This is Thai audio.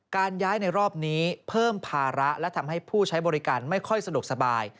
การย้ายในรอบนี้เพิ่มภาระและทำให้ผู้ใช้บริการไม่ค่อยสะดวกสบาย